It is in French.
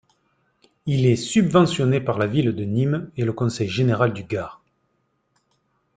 Il est subventionné par la ville de Nîmes et le conseil général du Gard.